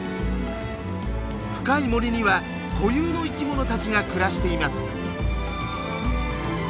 深い森には固有の生き物たちが暮らしています。